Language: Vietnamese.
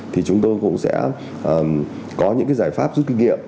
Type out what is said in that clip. thì chúng tôi cũng sẽ có những giải pháp rút kinh nghiệm